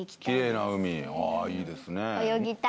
きれいな海いいですね。